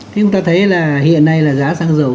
thì chúng ta thấy là hiện nay giá xăng dầu